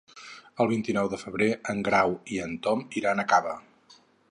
El vint-i-nou de febrer en Grau i en Tom iran a Cava.